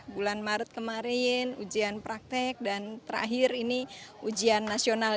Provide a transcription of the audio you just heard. bulan maret kemarin ujian praktek dan terakhir ini ujian nasional